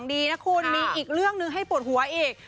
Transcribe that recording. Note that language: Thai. ดีนะคุณมีอีกเรื่องหนึ่งให้ปวดหัวอีก